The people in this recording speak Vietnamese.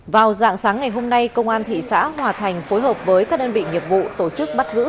vào dạng sáng ngày hôm nay công an thị xã hòa thành phối hợp với các đơn vị nghiệp vụ tổ chức bắt giữ